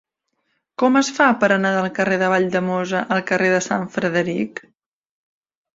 Com es fa per anar del carrer de Valldemossa al carrer de Sant Frederic?